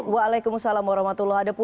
waalaikumsalam warahmatullahi wabarakatuh